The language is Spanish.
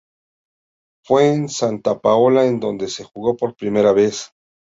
Fue en Santa Pola en donde se jugó por primera vez.